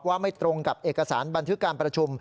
ไม่ตรงกับเอกสารบันทึกการประชุม